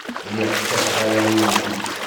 Lliɣ kkateɣ arraw-inu.